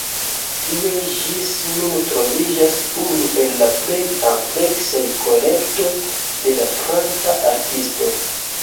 Tie ĝis nun troviĝas unu el la plej ampleksaj kolektoj de la franca artisto.